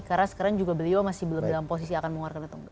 karena sekarang juga beliau masih belum dalam posisi akan mengeluarkan itu